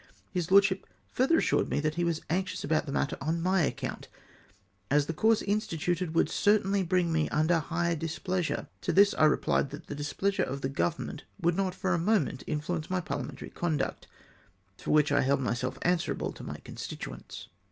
His lordship furtlier assured me that he was anxious about the matter on my account, as the course intimated would certainly bring me under high displeasure. To this I replied, that the displeasure of the Government would not for a moment influence my Pai'hamentary conduct, for which I held myself answerable to my constituents.